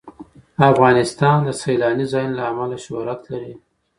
افغانستان د سیلانی ځایونه له امله شهرت لري.